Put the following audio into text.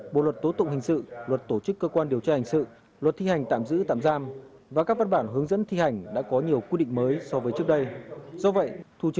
bộ luật tố tụng hình sự luật tổ chức cơ quan điều tra hình sự